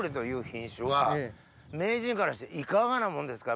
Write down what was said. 名人からしていかがなもんですか？